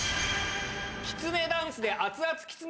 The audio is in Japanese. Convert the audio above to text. きつねダンスで熱々きつね